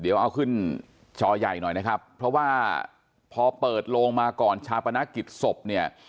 เดี๋ยวเอาขึ้นจอใหญ่หน่อยนะครับเพราะว่าพอเปิดโลงมาก่อนชาปนกิจศพเนี่ย